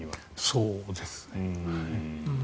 そうですね。